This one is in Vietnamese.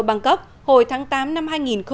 bangkok hồi tháng tám năm hai nghìn một mươi chín